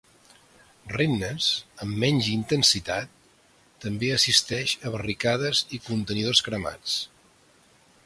Rennes, amb menys intensitat, també assisteix a barricades i contenidors cremats.